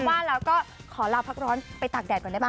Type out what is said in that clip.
ว่าแล้วก็ขอลาพักร้อนไปตากแดดก่อนได้ไหม